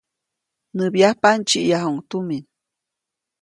Näbyajpa, ndsyiʼyajuʼuŋ tumin.